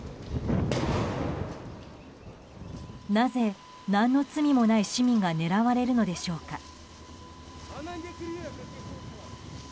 なぜ、何の罪もない市民が狙われるのでしょうか。